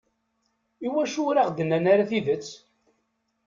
Iwacu ur aɣ-d-nnan ara tidet?